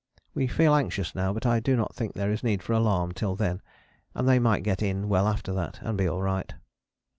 We feel anxious now, but I do not think there is need for alarm till then, and they might get in well after that, and be all right.